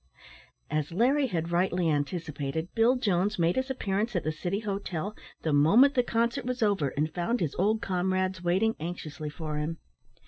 As Larry had rightly anticipated, Bill Jones made his appearance at the City Hotel the moment the concert was over, and found his old comrades waiting anxiously for him.